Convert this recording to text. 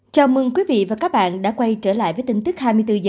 chào mừng quý vị và các bạn đã quay trở lại với tin tức hai mươi bốn h